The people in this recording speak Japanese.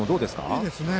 いいですね。